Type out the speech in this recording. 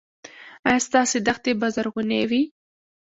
ایا ستاسو دښتې به زرغونې وي؟